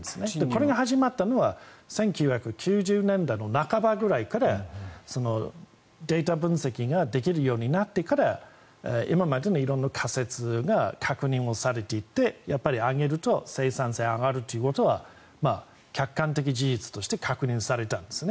これが始まったのは１９９０年代の半ばぐらいからデータ分析ができるようになってから今までの色んな仮説が確認をされていてやっぱり上げると生産性が上がるということは客観的事実として確認されたんです。